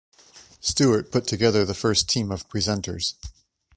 Stewart put together the first team of presenters.